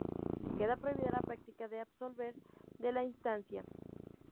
Queda prohibida la práctica de absolver de la instancia".